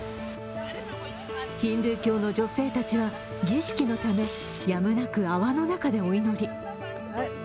ヒンズー教の女性たちは儀式のためやむなく泡の中でお祈り。